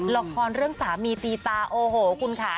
ละครเรื่องสามีตีตาโอ้โหคุณค่ะ